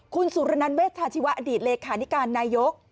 คุณสุรนันเวชาชีวะอดีตเลขานิการนายก